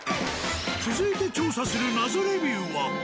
続いて調査する謎レビューは。